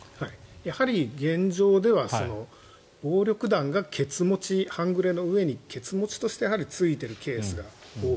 やはり、現状では暴力団がけつ持ち半グレの上に、けつ持ちとしてついているケースが多い。